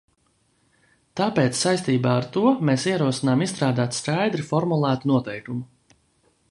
Tāpēc saistībā ar to mēs ierosinām izstrādāt skaidri formulētu noteikumu.